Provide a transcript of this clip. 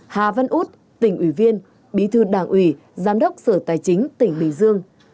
hà văn út tỉnh ủy viên bí thư đảng ủy giám đốc sở tài chính tỉnh bình dương